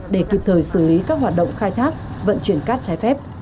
để kịp thời xử lý các hoạt động khai thác vận chuyển cát trái phép